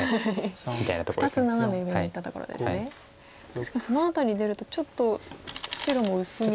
確かにその辺り出るとちょっと白も薄みが。